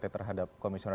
berada di kpu